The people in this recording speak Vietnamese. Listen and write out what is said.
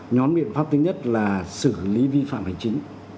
nhóm biện pháp thứ nhất là xử lý vi phạm hành chính